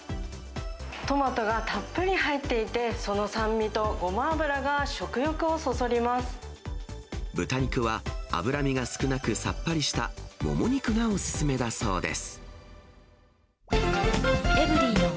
トマトがたっぷり入っていて、その酸味とごま油が食欲をそそり豚肉は、脂身が少なくさっぱりしたモモ肉がお勧めだそうです。